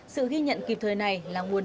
sự ghi nhận kịp thời này là nguồn